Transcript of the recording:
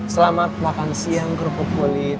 selamat makan siang kerupuk kulit